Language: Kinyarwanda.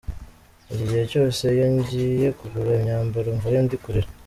Igihe cyose iyo ngiye kugura imyambaro mvayo ndi kurira.